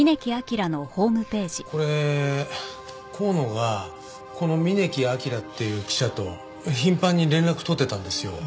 これ香野がこの峯木明っていう記者と頻繁に連絡取ってたんですよ。